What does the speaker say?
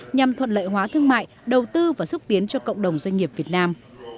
nhằm thuận lợi hóa thương mại đầu tư và xúc tiến cho cộng đồng doanh nghiệp việt nam